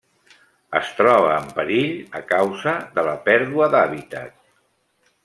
Es troba en perill a causa de la pèrdua d'hàbitat.